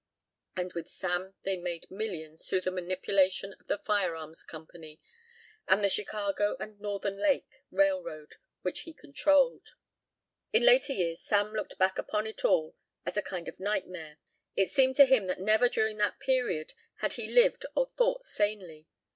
And with Sam they made millions through the manipulation of the firearms company, and the Chicago and Northern Lake Railroad which he controlled. In later years Sam looked back upon it all as a kind of nightmare. It seemed to him that never during that period had he lived or thought sanely.